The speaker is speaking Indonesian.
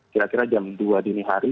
kira kira jam dua dini hari